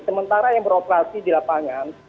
sementara yang beroperasi di lapangan